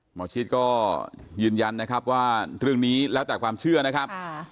หมอชิดก็ยืนยันนะครับว่าเรื่องนี้แล้วแต่ความเชื่อนะครับ